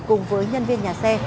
cùng với nhân viên nhà xe